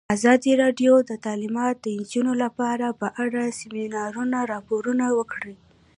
ازادي راډیو د تعلیمات د نجونو لپاره په اړه د سیمینارونو راپورونه ورکړي.